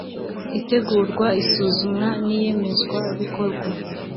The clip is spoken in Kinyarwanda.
Itegurwa isuzumwa n iyemezwabikorwa